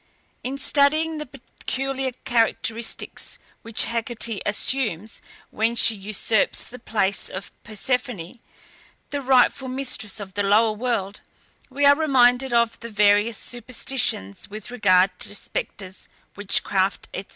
In studying the peculiar characteristics which Hecate assumes when she usurps the place of Persephone, the rightful mistress of the lower world, we are reminded of the various superstitions with regard to spectres, witchcraft, &c.